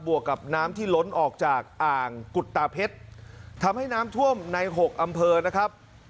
วกกับน้ำที่ล้นออกจากอ่างกุฎตาเพชรทำให้น้ำท่วมในหกอำเภอนะครับ